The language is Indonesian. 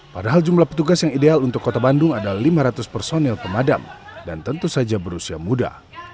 padahal jumlah petugas yang ideal untuk kota bandung adalah lima ratus personil pemadam dan tentu saja berusia muda